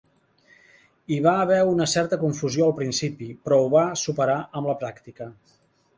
Hi va haver una certa confusió al principi, però ho va superar amb la pràctica.